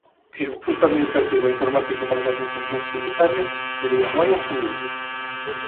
E o custo administrativo e informático para as Administracións Tributarias seria moi asumíbel.